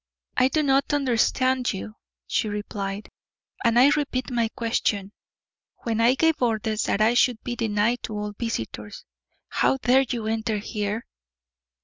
"I do not understand you," she replied; "and I repeat my question; when I gave orders that I should be denied to all visitors, how dare you enter here?"